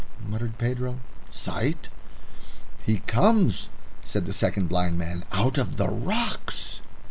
muttered Pedro. "Sight?" "He comes," said the second blind man, "out of the rocks."